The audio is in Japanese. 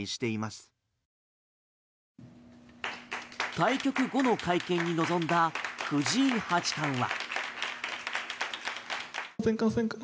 対局後の会見に臨んだ藤井八冠は。